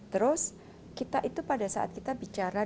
terus kita itu pada saat kita bicara